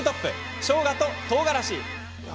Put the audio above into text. しょうがと、とうがらし。